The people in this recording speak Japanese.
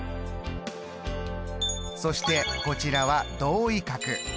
そしてこちらは同位角。